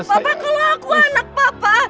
papa kalau aku anak papa